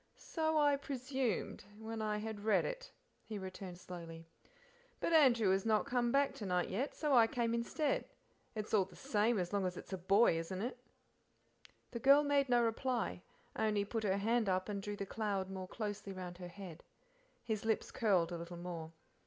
"So I presumed when I had read it," he returned slowly; "but Andrew has not come back to night yet, so I came instead; it's all the same as long as it's a boy, isn't it?" The girl made no reply, only put her hand up and drew the cloud more closely round her head. His lips curled a little more.